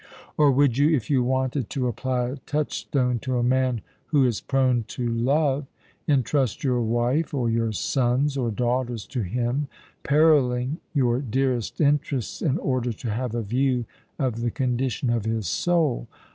Or would you, if you wanted to apply a touchstone to a man who is prone to love, entrust your wife, or your sons, or daughters to him, perilling your dearest interests in order to have a view of the condition of his soul?